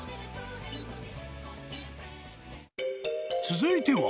［続いては］